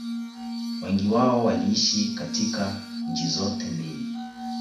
Wengi wao waliishi katika nchi zote mbili